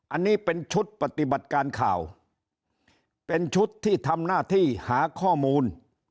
อันนี้เป็นชุดปฏิบัติการข่าวเป็นชุดที่ทำหน้าที่หาข้อมูล